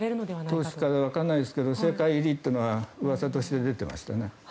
党首かわからないですけど政界入りというのはうわさとして出てましたね。